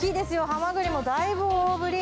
ハマグリもだいぶ大ぶり。